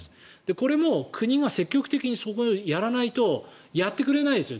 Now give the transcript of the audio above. これも国が積極的にそれをやらないとやってくれないですよ